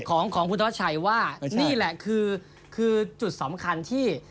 ของคุณธวัชชัยว่านี่แหละคือคือจุดสำคัญที่